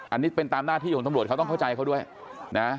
อันนี้เป็นตามหน้าที่ของตำรวจเขาต้องเข้าใจเขาด้วยนะ